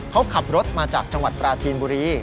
เขาขับรถมาจากจังหวัดปราจีนบุรี